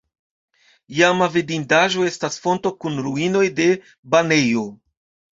Iama vidindaĵo estas fonto kun ruinoj de banejo.